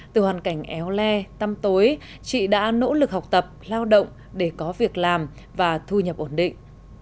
từ hoàn cảnh éo le tăm tối chị đã nỗ lực học tập lao động để có việc làm và thu nhập ổn định